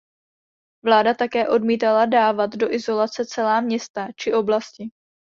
Vláda také odmítala dávat do izolace celá města či oblasti.